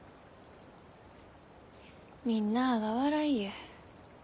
みんなあが笑いゆう。